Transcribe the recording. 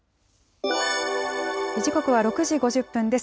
時刻は６時５０分です。